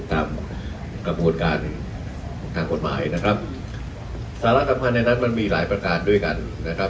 ตามกระบวนการทางกฎหมายนะครับสาระสำคัญในนั้นมันมีหลายประการด้วยกันนะครับ